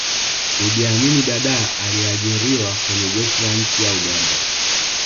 iddi amin dadaa aliajiriwa Kwenye jeshi la nchi ya uganda